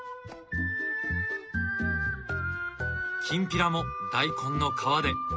きんぴらも大根の皮で。